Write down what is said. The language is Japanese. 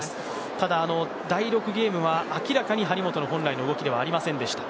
ただ、第６ゲームは明らかに張本の本来の動きではありませんでした。